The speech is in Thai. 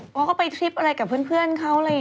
เพราะเขาไปทริปอะไรกับเพื่อนเขาอะไรอย่างนี้